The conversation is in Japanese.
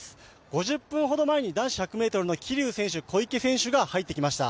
５０分ほど前に男子１００ｍの桐生選手、小池選手が入ってきました。